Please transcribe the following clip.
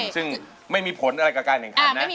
ซึ่งไม่มีผลอะไรกับการแข่งขันนะ